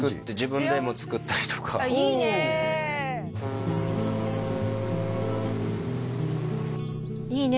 自分でも作ったりとかいいねいいね